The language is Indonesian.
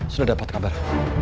sudah dapat kabar